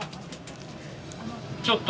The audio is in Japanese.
ちょっと。